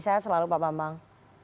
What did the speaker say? saya selalu pak bambang